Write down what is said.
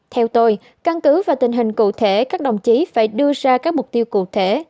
theo tôi căn cứ và tình hình cụ thể các đồng chí phải đưa ra các mục tiêu cụ thể